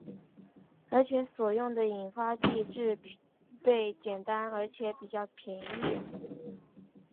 而且所用的引发剂制备简单而且比较便宜。